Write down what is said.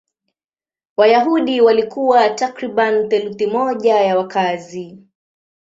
Wayahudi walikuwa takriban theluthi moja ya wakazi.